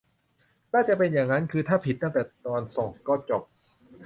น่าจะเป็นอย่างนั้น คือถ้าผิดตั้งแต่ตอนส่งก็จบ